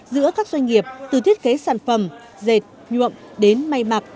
giữa các doanh nghiệp từ thiết kế sản phẩm dệt nhuộm đến may mặc